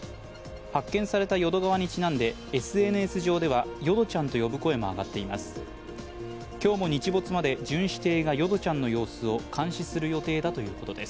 発見された淀川にちなんでＳＮＳ上ではヨドちゃんと呼ぶ声も上がっています。